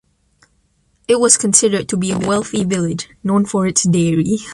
It was considered to be a wealthy village, known for its dairy.